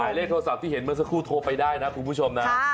เลขโทรศัพท์ที่เห็นเมื่อสักครู่โทรไปได้นะคุณผู้ชมนะ